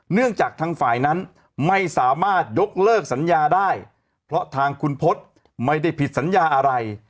เนื่องจากทางฝ่ายนั้นไม่สามารถยกเลิกสัญญาได้เพราะทางคุณพฤษไม่ได้ผิดสัญญาอะไร